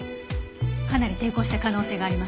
かなり抵抗した可能性があります。